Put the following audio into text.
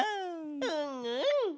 うんうん。